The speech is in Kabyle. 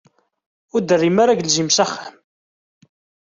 Ur d-terrim ara agelzim s axxam.